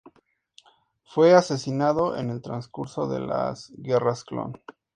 Fue asesinado en el transcurso de las guerras clon.